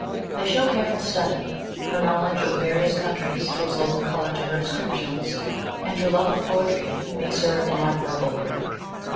They show careful study, her knowledge of various countries gives local colour to her descriptions, and her love of poetry makes her an admirable critic.